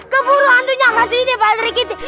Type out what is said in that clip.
keburu hantunya alas ini pasri giti